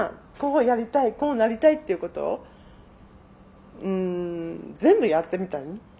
こうなりたいっていうことをうん全部やってみた。